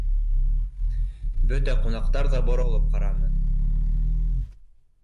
Бөтә ҡунаҡтар ҙа боролоп ҡараны